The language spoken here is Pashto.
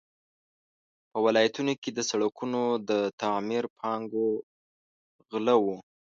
په ولایتونو کې د سړکونو د تعمیر پانګو غله وو.